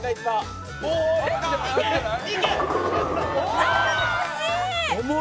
ああ惜しい！